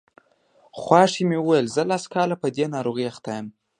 خواښې مې وویل زه لس کاله په دې ناروغۍ اخته یم.